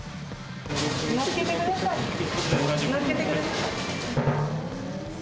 のっけてください。